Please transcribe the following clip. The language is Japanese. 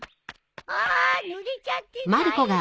あぬれちゃって大変。